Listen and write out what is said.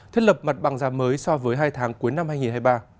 thiết lập mặt bằng giá mới so với hai tháng cuối năm hai nghìn hai mươi ba